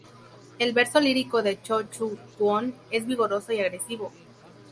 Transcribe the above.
El verso lírico de Cho Chung-kwon es vigoroso y agresivo.